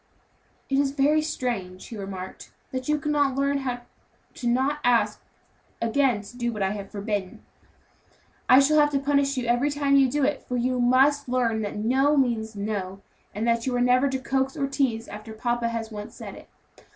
"It is very strange," he remarked, "that you cannot learn not to ask to do what I have forbidden. I shall have to punish you every time you do it; for you must learn that no means no, and that you are never to coax or tease after papa has once said it.